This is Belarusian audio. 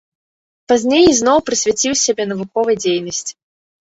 Пазней ізноў прысвяціў сябе навуковай дзейнасці.